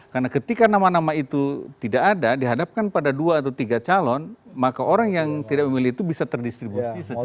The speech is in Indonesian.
karena ketika nama nama itu tidak ada dihadapkan pada dua atau tiga calon maka orang yang tidak memilih itu bisa terdistribusi secara